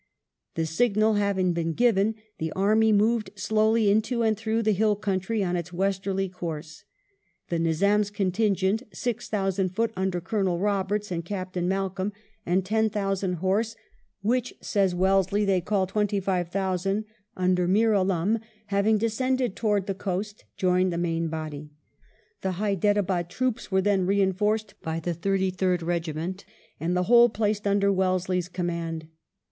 The signal having been given, the army moved slowly into and through the hill country on its westerly course. The Nizam's contingent, six thousand foot under Colonel Roberts and Captain Malcolm, and ten thousand horse, 36 WELLINGTON chap. which, says Wellesley, they call twenty five thousand, under Meer AUum, having descended towards the coast, joined the main body. The Hyderabad troops were then reinforced by the Thirty third Eegiment^ and the whole placed under Wellesley's command.